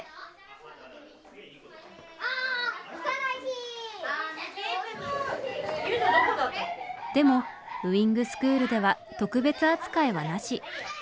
でもウイングスクールでは特別扱いはなし。